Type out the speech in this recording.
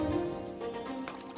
aku duluan ya